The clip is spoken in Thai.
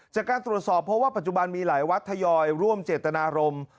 จากการตรวจสอบเพราะว่าปัจจุบันมีหลายวัดทยอยร่วมเจตนารมณ์